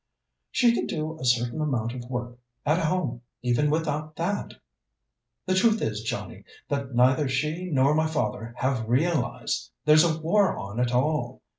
"She could do a certain amount of work at home even without that. The truth is, Johnnie, that neither she nor my father have realized there's a war on at all.